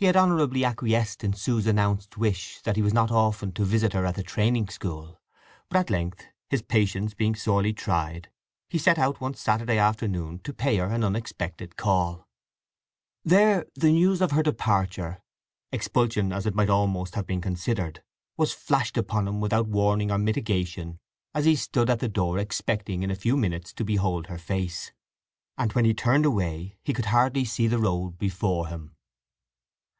He had honourably acquiesced in Sue's announced wish that he was not often to visit her at the training school; but at length, his patience being sorely tried, he set out one Saturday afternoon to pay her an unexpected call. There the news of her departure—expulsion as it might almost have been considered—was flashed upon him without warning or mitigation as he stood at the door expecting in a few minutes to behold her face; and when he turned away he could hardly see the road before him.